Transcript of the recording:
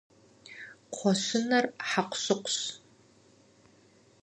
Кхъуэщыныр хьэкъущыкъущ.